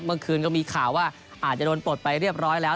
เมื่อคืนก็มีข่าวว่าอาจจะโดนปลดไปเรียบร้อยแล้ว